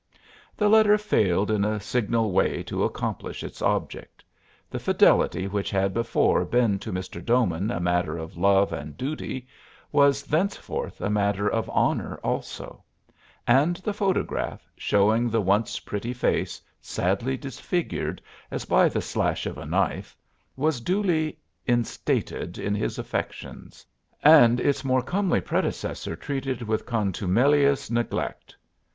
The letter failed in a signal way to accomplish its object; the fidelity which had before been to Mr. Doman a matter of love and duty was thenceforth a matter of honor also; and the photograph, showing the once pretty face sadly disfigured as by the slash of a knife, was duly instated in his affections and its more comely predecessor treated with contumelious neglect.